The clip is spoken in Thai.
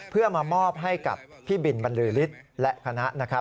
เพื่อมาหมอบให้กับพี่บินบันดีฤทธิ์และคณะ